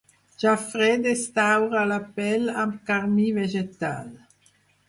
Ja fred es daura la pell amb carmí vegetal.